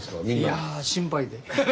いや心配で。